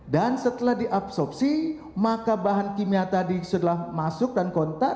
dan setelah di absorpsi maka bahan kimia tadi sudah masuk dan kontak